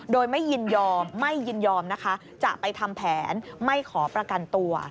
โดยไม่ยินยอมไม่ยินยอมนะคะจะไปทำแผนไม่ขอประกันตัว